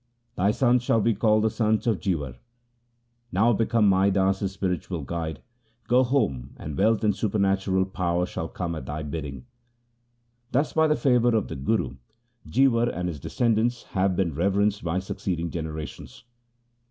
Thy sons shall be called sons of Jiwar. Now become Mai Das's spiritual guide, go home, and wealth and supernatural power shall come at thy bidding.' Thus, by the favour of the Guru, Jiwar and his descendants have been reverenced by succeeding generations.